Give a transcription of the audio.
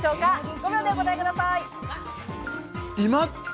５秒でお答えください。